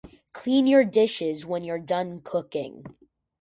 Clean your dishes when you're done cooking.